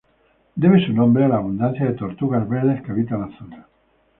Debe su nombre a la abundancia de tortugas verdes que habitan la zona.